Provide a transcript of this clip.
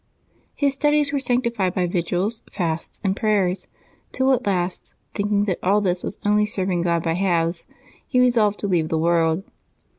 His studies were sanctified by vigils, fasts, and prayers, till at last, thinking that all this was only serving God by halves, he resolved to leave the world.